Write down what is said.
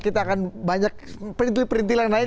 kita akan banyak perintil perintil lain lain